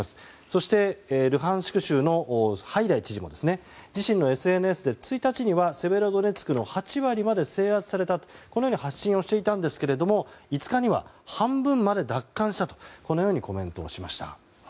そして、ルハンシク州のハイダイ知事も自身のＳＮＳで、１日にはセベロドネツクの８割まで制圧されたと発信していたんですけれども５日には半分まで奪還したとコメントしました。